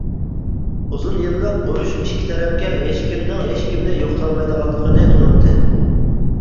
ئۇزۇن يىللىق ئۇرۇش ئىككى تەرەپكە ھېچكىمنىڭ ھېچكىمنى يوقىتالمايدىغانلىقىنى تونۇتتى.